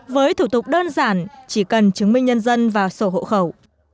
với thủ tục đơn giản chỉ cần chứng minh nhân dân và sổ hộ khẩu